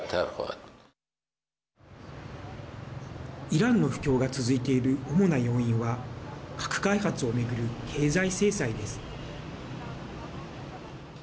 イランの不況が続いている主な要因は核開発を巡る経済制裁です。